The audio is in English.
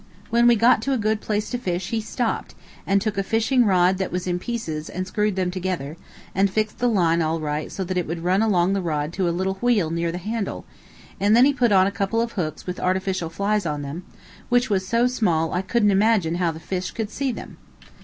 When we got to a good place to fish he stopped, and took a fishing rod that was in pieces and screwed them together, and fixed the line all right so that it would run along the rod to a little wheel near the handle, and then he put on a couple of hooks with artificial flies on them, which was so small I couldn't imagine how the fish could see them.